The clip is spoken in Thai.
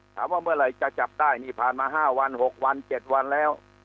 ถามว่าเมื่อไหร่จะจับได้นี่ผ่านมาห้าวันหกวันเจ็ดวันแล้ว